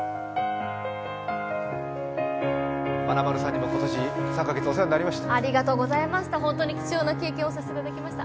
まなまるさんにも今年、お世話になりました。